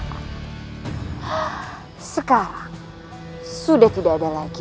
kekuatan baru ku ini